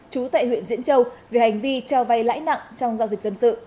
chú tại huyện diễn châu về hành vi trao vay lãi nặng trong giao dịch dân sự